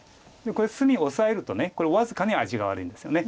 これ隅をオサえると僅かに味が悪いんですよね。